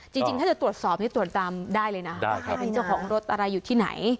จริงถ้าจะตรวจสอบนี่ตรวจตามได้เลยนะว่าใครเป็นเจ้าของรถอะไรอยู่ที่ไหน